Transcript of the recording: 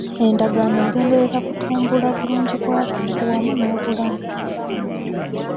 Endagaano egenderera kutumbula bulungi bw'abantu wamu n'obulamu.